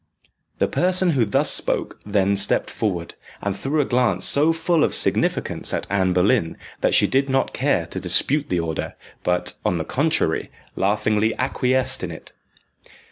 The person who thus spoke then stepped forward, and threw a glance so full of significance at Anne Boleyn that she did not care to dispute the order, but, on the contrary, laughingly acquiesced in it.